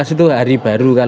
itu hari baru